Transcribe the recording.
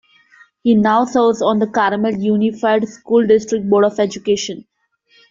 He now serves on the Carmel Unified School District Board of Education.